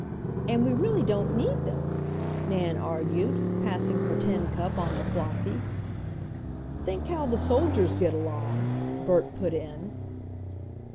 "And we really don't need them," Nan argued, passing her tin cup on to Flossie. "Think how the soldiers get along!" Bert put in.